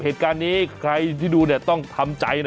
เหตุการณ์นี้ใครที่ดูเนี่ยต้องทำใจนะ